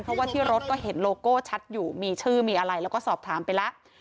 เพราะว่าที่รถก็เห็นโลโก้ชัดอยู่มีชื่อมีอะไรแล้วก็สอบถามไปแล้ว